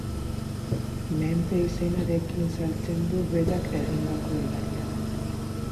Menpe izenarekin saltzen du berak egindako edaria.